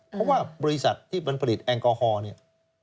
เพราะว่าบริษัทที่มันผลิตแอลกอฮอล์เนี่ย